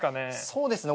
そうですね。